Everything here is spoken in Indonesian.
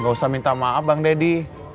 gak usah minta maaf bang deddy